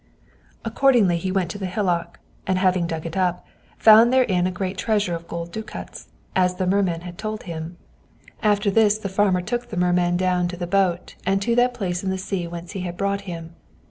Accordingly he went to the hillock, and having dug it up, found therein a great treasure of golden ducats, as the merman had told him. After this the farmer took the merman down to the boat, and to that place in the sea whence he had brought him.